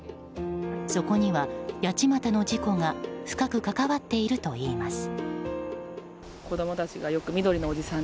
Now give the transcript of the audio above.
そこには、八街の事故が深く関わっているといいます。